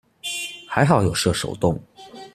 還好有設手動